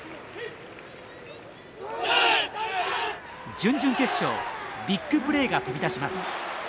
準々決勝ビッグプレーが飛び出します。